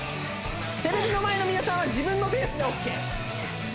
テレビの前の皆さんは自分のペースでＯＫ